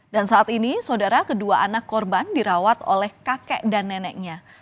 dan saat ini saudara kedua anak korban dirawat oleh kakek dan neneknya